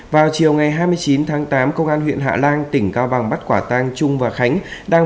vào chiều ngày hai mươi chín tháng tám công an huyện hạ lan tỉnh cao bằng bắt quả tang trung và khánh đang